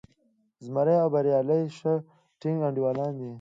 زمری او بریالی ښه ټینګ انډیوالان دي.